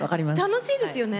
楽しいですよね。